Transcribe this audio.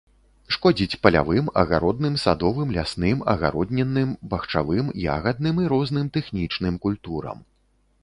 Шкодзіць палявым, агародным, садовым, лясным, агароднінным, бахчавым, ягадным і розным тэхнічным культурам.